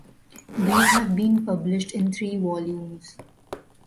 These have been published in three volumes.